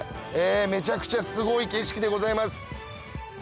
めちゃくちゃすごい景色でございます。